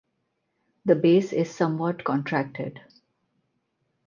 The base is somewhat contracted.